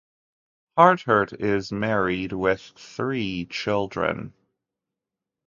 Hartert is married with three children.